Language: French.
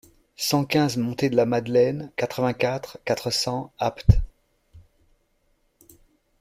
cent quinze montée de la Madeleine, quatre-vingt-quatre, quatre cents, Apt